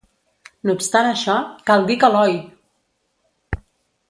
No obstant això, cal dir que l'Oi!